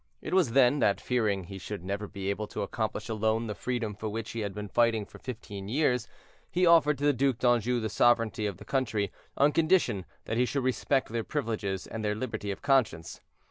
It was then that, fearing he should never be able to accomplish alone the freedom for which he had been fighting for fifteen years, he offered to the Duc d'Anjou the sovereignty of the country, on condition that he should respect their privileges and their liberty of conscience.